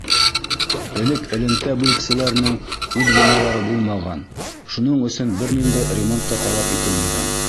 — Элек элемтә бүлексәләренең үҙ биналары булмаған, шуның өсөн бер ниндәй ремонт та талап ителмәгән.